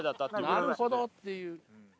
なるほどっていう。